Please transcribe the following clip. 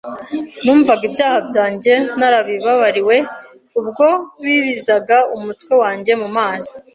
Numvaga ibyaha byanjye narabibabariwe ubwo bibizaga umutwe wanjye mu mazi